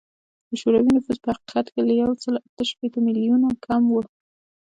د شوروي نفوس په حقیقت کې له یو سل اته شپیته میلیونه کم و